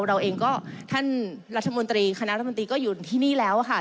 เราเองก็ท่านรัฐมนตรีคณะรัฐมนตรีก็อยู่ที่นี่แล้วค่ะ